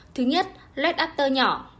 thứ nhất lết after nhỏ